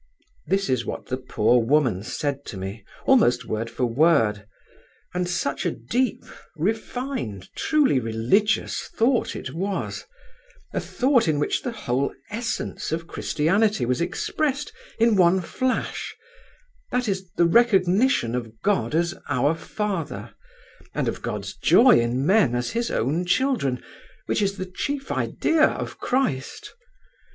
This is what that poor woman said to me, almost word for word; and such a deep, refined, truly religious thought it was—a thought in which the whole essence of Christianity was expressed in one flash—that is, the recognition of God as our Father, and of God's joy in men as His own children, which is the chief idea of Christ.